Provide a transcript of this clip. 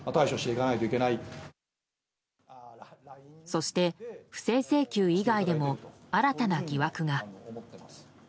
そして、不正請求以外でも新たな疑惑が。